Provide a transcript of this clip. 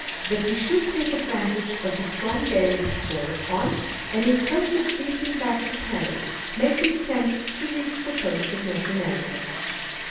that we should take advantage of the strong gale which bore us on, and in place of beating back to Paris, make an attempt to reach the coast of North America.